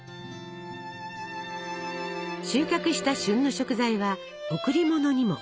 収穫した旬の食材は贈り物にも。